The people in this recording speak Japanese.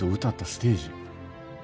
歌ったステージ。